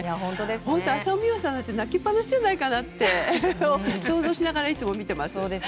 本当、浅尾美和さんだって泣きっぱなしじゃないかなって想像しながらいつも見てます。